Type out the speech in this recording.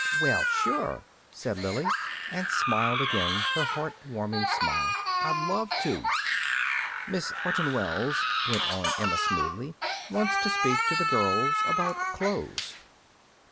"Well, sure," said Lily, and smiled again her heart warming smile. "I'd love to." "Miss Orton Wells," went on Emma smoothly, "wants to speak to the girls about clothes."